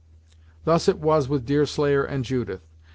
Thus it was with Deerslayer and Judith.